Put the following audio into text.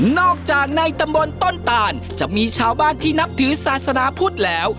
ในตำบลต้นตานจะมีชาวบ้านที่นับถือศาสนาพุทธแล้ว